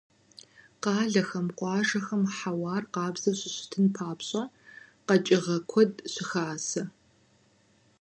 Къалэхэм, къуажэхэм хьэуар къабззу щыщытын папщӀэ, къэкӀыгъэ куэд щыхасэ.